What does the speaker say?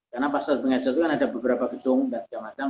karena pasar beringharjo itu kan ada beberapa gedung dan macam macam